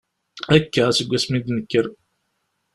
Akka, seg wasmi i d-nekker.